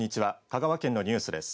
香川県のニュースです。